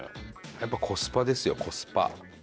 やっぱコスパですよコスパ。